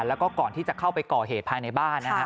แล้วก็ก่อนที่จะเข้าไปก่อเหตุภายในบ้านนะฮะ